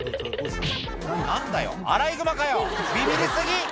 何だよアライグマかよビビり過ぎ！